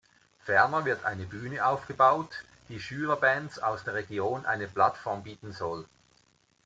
Ferner wird eine Bühne aufgebaut, die Schülerbands aus der Region eine Plattform bieten soll.